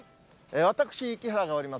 私、木原がおります